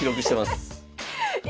え